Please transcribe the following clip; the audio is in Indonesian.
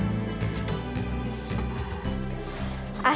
terima kasih pak